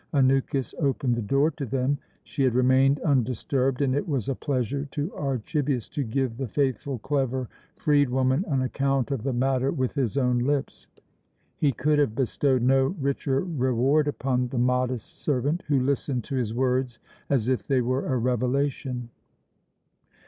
Anukis opened the door to them. She had remained undisturbed, and it was a pleasure to Archibius to give the faithful, clever freedwoman an account of the matter with his own lips. He could have bestowed no richer reward upon the modest servant, who listened to his words as if they were a revelation.